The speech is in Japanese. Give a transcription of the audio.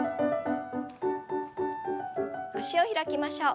脚を開きましょう。